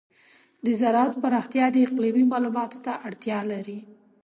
د زراعت پراختیا د اقلیمي معلوماتو ته اړتیا لري.